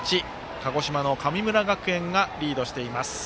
鹿児島、神村学園がリードしています。